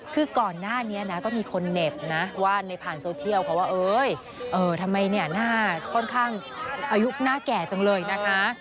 คือก่อนหน้านี้นะก็มีคนเหน็บนะว่าในผ่านโซเทียลเขาว่าเอ้ยทำไมเนี่ยหน้าค่อนข้างอายุน่าแก่จังเลยนะคะ